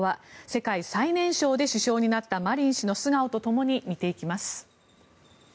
世界最年少で首相になったマリン氏の素顔とともに見ていきます。